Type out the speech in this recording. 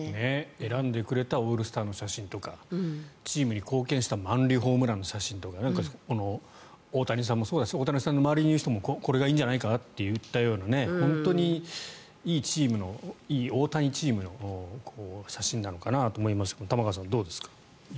選んでくれたオールスターの写真とかチームに貢献した満塁ホームランの写真とか大谷さんもそうだし大谷さんの周りにいる人もこれがいいんじゃないかなって言ったような本当にいいチームのいい大谷チームの写真なのかなと思いましたが玉川さん、どうですか。